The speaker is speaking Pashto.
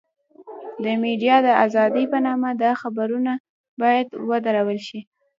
د ميډيا د ازادۍ په نامه دا خبرونه بايد ودرول شي.